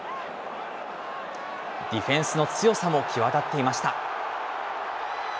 ディフェンスの強さも際立っていました。